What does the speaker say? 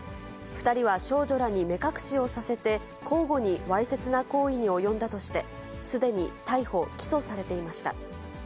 ２人は少女らに目隠しをさせて、交互にわいせつな行為に及んだとして、すでに逮捕・起訴されていました。